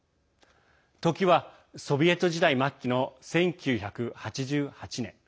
時はソビエト時代末期の１９８８年。